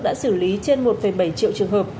đã xử lý trên một bảy triệu trường hợp